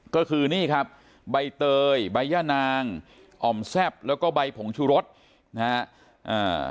ก็คือนี่ครับใบเตยใบย่านางอ่อมแซ่บแล้วก็ใบผงชุรสนะฮะอ่า